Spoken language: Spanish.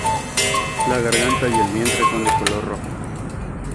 La garganta y el vientre son de color rojo.